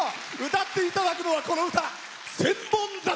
歌っていただくのは、この歌「千本桜」。